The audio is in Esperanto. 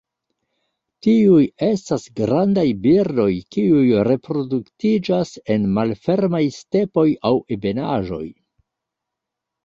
Tiuj estas grandaj birdoj kiuj reproduktiĝas en malfermaj stepoj aŭ ebenaĵoj.